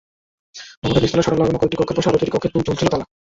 ভবনটির নিচতলায় শাটার লাগানো কয়েকটি কক্ষের পাশে আরও দুটি কক্ষে ঝুলছিল তালা।